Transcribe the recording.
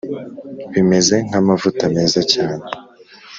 Bimeze nk amavuta meza cyane